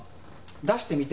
出してみて。